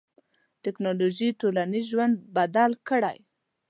ټکنالوژي ټولنیز ژوند بدل کړی.